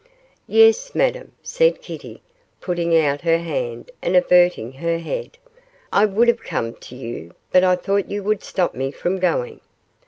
'Yes, Madame,' said Kitty, putting out her hand and averting her head, 'I would have come to you, but I thought you would stop me from going.